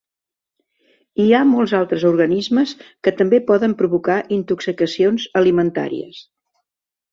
Hi ha molts altres organismes que també poden provocar intoxicacions alimentàries.